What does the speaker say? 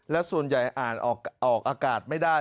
และส่วนใหญ่อ่านออกอากาศไม่ได้